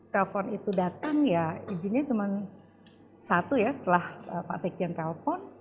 telepon itu datang ya izinnya cuma satu ya setelah pak sekjen telpon